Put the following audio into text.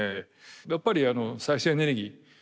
やっぱりあの再生エネルギー